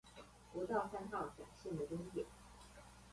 國道三號甲線的終點